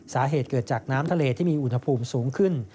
สาเหตุเกิดจากน้ำทะเลที่มีอุณหภูมิสูงขึ้น